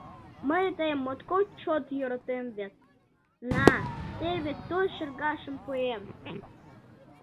Мый тыйым моткоч чот йӧратем вет, на, теве той шергашым пуэм...